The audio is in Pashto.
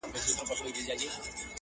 قاسم یار چي په ژړا کي په خندا سي,